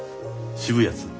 渋いやつ。